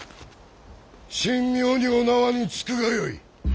神妙にお縄につくがよい。